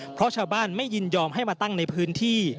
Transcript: เพราะชาวบ้านไม่ยินยอมให้มาตั้งในพื้นที่